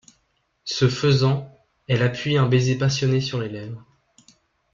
Ce faisant, elle appuie un baiser passionné sur les lèvres.